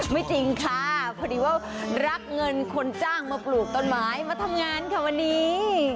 จริงค่ะพอดีว่ารับเงินคนจ้างมาปลูกต้นไม้มาทำงานค่ะวันนี้